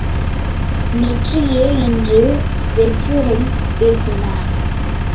நெற்றியே என்று வெற்றுரை பேசினான்.